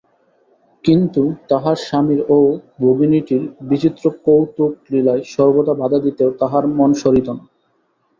কিন্তু তাহার স্বামীর ও ভগিনীটির বিচিত্র কৌতুকলীলায় সর্বদা বাধা দিতেও তাহার মন সরিত না।